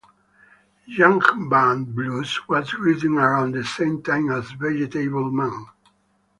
"Jugband Blues" was written around the same time as "Vegetable Man".